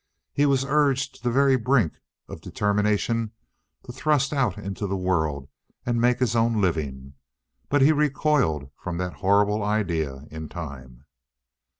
He was urged to the very brink of the determination to thrust out into the world and make his own living. But he recoiled from that horrible idea in time.